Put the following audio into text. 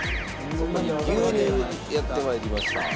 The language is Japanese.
牛乳やって参りました。